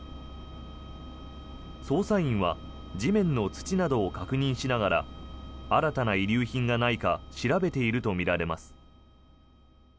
捜査員は地面の土などを確認しながら新たな遺留品がないか調べているとみられます。